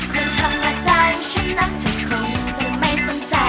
คนธรรมดาฉันนั้นเธอคงจะไม่สนใจ